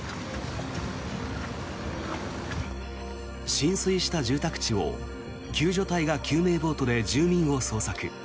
浸水した住宅地を、救助隊が救命ボートで住民を捜索。